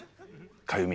かゆみ？